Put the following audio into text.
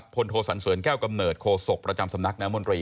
โทสันเสริญแก้วกำเนิดโคศกประจำสำนักน้ำมนตรี